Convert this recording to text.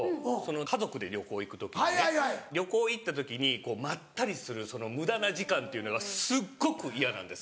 家族で旅行行く時にね旅行行った時にまったりするその無駄な時間っていうのがすっごく嫌なんです。